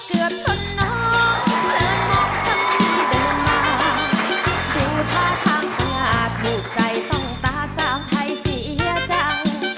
ดูท่าทางสะอาดดูใจต้องตาสาวไทยเสียจัง